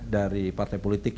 dari partai politik